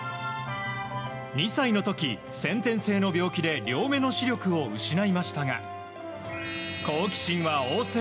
２歳のとき、先天性の病気で両目の視力を失いましたが、好奇心は旺盛。